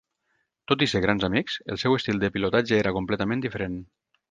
Tot i ser grans amics el seu estil de pilotatge era completament diferent.